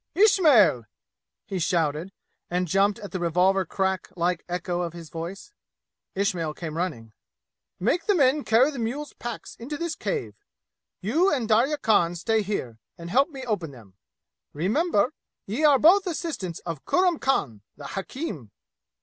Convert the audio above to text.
"Ismail!" he shouted, and jumped at the revolver crack like echo of his voice. Ismail came running. "Make the men carry the mule's packs into this cave. You and Darya Khan stay here and help me open them. Remember, ye are both assistants of Kurram Khan, the hakim!"